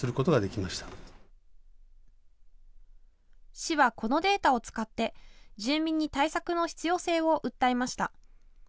市はこのデータを使って住民に対策の必要性を訴えました。